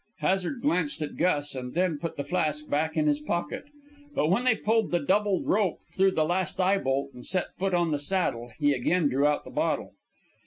Hazard glanced at Gus and then put the flask back in his pocket. But when they pulled the doubled rope through the last eye bolt and set foot on the Saddle, he again drew out the bottle.